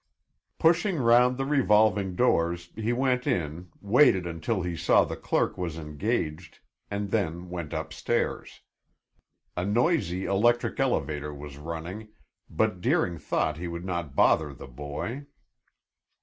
Pushing round the revolving doors, he went in, waited until he saw the clerk was engaged, and then went upstairs. A noisy electric elevator was running, but Deering thought he would not bother the boy.